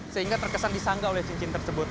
sehingga terkesan disanggah oleh cincin tersebut